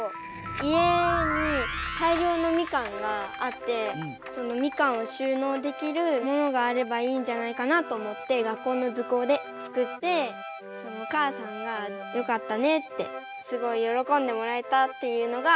家に大量のみかんがあってそのみかんを収納できるものがあればいいんじゃないかなと思って学校の図工で作ってお母さんが「よかったね」ってすごいよろこんでもらえたっていうのが思い出です。